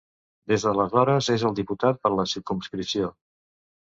Des d'aleshores és el diputat per la circumscripció.